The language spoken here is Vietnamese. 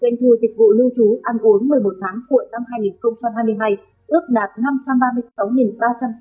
doanh thu dịch vụ lưu trú ăn uống một mươi một tháng của năm hai nghìn hai mươi hai ước đạt năm trăm ba mươi sáu ba trăm linh tỷ đồng